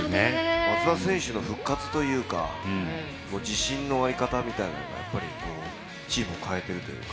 松田選手の復活というか自信のあり方みたいなのがチームを変えてるというか。